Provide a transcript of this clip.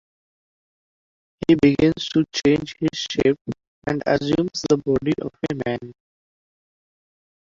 He begins to change his shape and assume the body of a man.